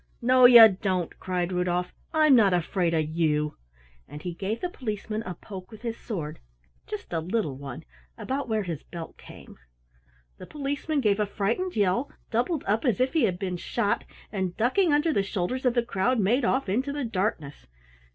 "No you don't!" cried Rudolf. "I'm not afraid of you!" And he gave the Policeman a poke with his sword, just a little one, about where his belt came. The Policeman gave a frightened yell, doubled up as if he had been shot, and ducking under the shoulders of the crowd made off into the darkness.